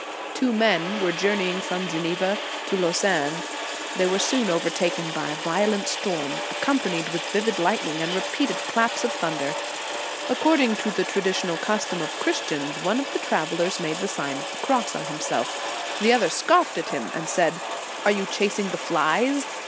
Two men were journeying from Geneva to Lausanne. They were soon overtaken by a violent storm, accompanied with vivid light ning and repeated claps of thunder. Accord ing to the traditional custom of Christians, one of the travellers made the Sign of the Cross on himself. The other scoffed at him, and said: "Are you chasing the flies?